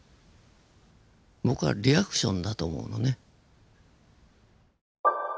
僕はリアクションだと思うのね。